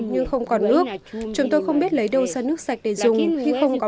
nhưng không còn nước chúng tôi không biết lấy đâu ra nước sạch để dùng khi không có